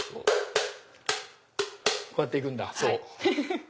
こうやって行くんだ。